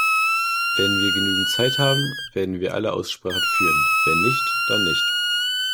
Wenn wir genügend Zeit haben, werden wir alle Aussprachen führen, wenn nicht, dann nicht.